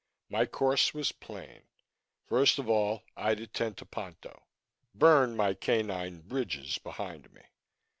My course was plain. First of all, I'd attend to Ponto burn my canine bridges behind me.